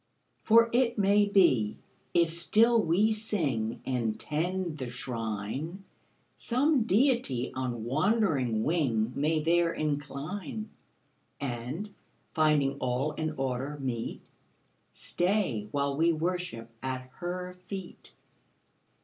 "For it may be, if still we sing And tend the Shrine, Some Deity on wandering wing May there incline; And, finding all in order meet, Stay while we worship at Her feet."